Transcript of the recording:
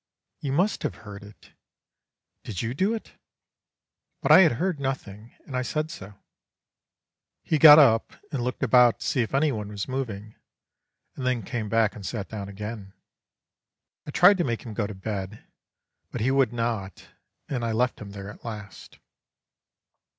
'You must have heard it; did you do it?' "But I had heard nothing, and I said so. "He got up and looked about to see if any one was moving, and then came back and sat down again. I tried to make him go to bed, but he would not, and I left him there at last.